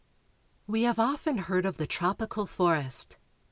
We have often heard of the tropical forest.